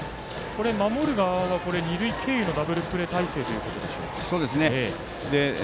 守る側は二塁経由のダブルプレー態勢ということでしょうか。